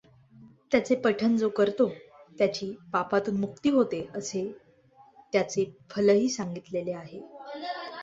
त्याचे पठन जो करतो त्याची पापातून मुक्ती होते असे त्याचे फलही सांगितले आहे.